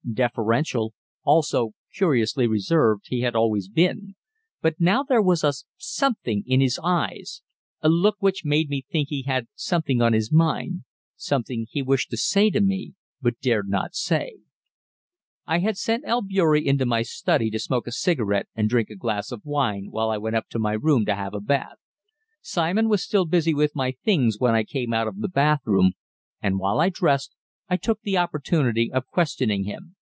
Deferential, also curiously reserved, he had always been, but now there was a "something" in his eyes, a look which made me think he had something on his mind something he wished to say to me but dared not say. I had sent Albeury into my study to smoke a cigar and drink a glass of wine while I went up to my room to have a bath. Simon was still busy with my things when I came out of the bathroom, and, while I dressed, I took the opportunity of questioning him.